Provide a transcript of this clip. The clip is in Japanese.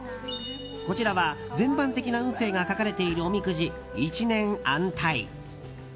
こちらは全般的な運勢が書かれているおみくじ一年安鯛。